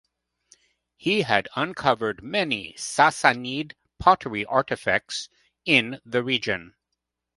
He had uncovered many Sassanid pottery artifacts in the region.